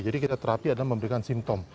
kita terapi adalah memberikan simptom